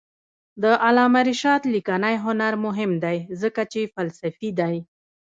د علامه رشاد لیکنی هنر مهم دی ځکه چې فلسفي دی.